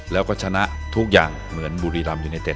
และก็ชนะทุกอย่างเหมือนบริลัมย์ยนิเทศ